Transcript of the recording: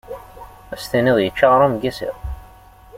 Ad s-tiniḍ yečča aɣrum n yisiḍ!